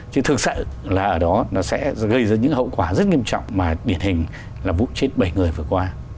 chứ thực sự là ở đó nó sẽ gây ra những hậu quả rất nghiêm trọng mà điển hình là vụ chết bảy người vừa qua